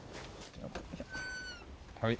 はい。